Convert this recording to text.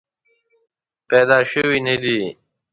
پیدا شوې نه دي.